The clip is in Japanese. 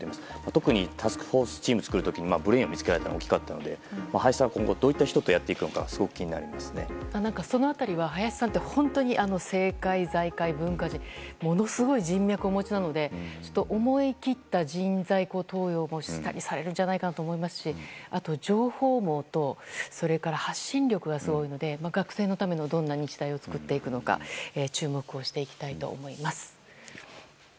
特にタスクフォースチームを作る時にブレーンを作ったのは大きかったので、林さんは今後どういった人とやっていくかその辺りは林さんって本当に政界、財界文化人とものすごい人脈をお持ちなので思い切った人材登用もされるんじゃないかなと思いますしあと情報網とそれから発信力がすごいので学生のためのどんな日大を作っていくのか注目していきたいと思います。